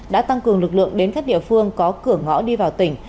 đã tăng cường lực lượng đến các địa phương có cửa ngõ đi vào tỉnh